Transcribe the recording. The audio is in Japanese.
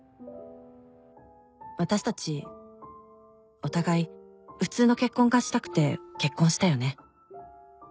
「私たちお互いフツウの結婚がしたくて結婚したよね」